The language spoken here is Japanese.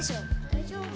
・大丈夫？